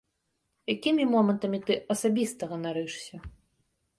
Якімі момантамі ты асабіста ганарышся?